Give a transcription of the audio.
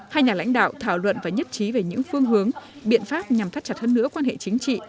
hai nhà lãnh đạo thảo luận và nhất trí về những phương hướng biện pháp nhằm thắt chặt hơn nữa quan hệ chính trị